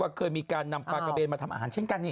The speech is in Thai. เคยมีการนำปลากระเบนมาทำอาหารเช่นกัน